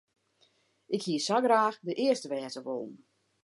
Ik hie sa graach de earste wêze wollen.